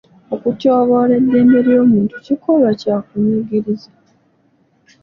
Okutyoboola eddembe ly'omuntu kikolwa kya kunyigiriza.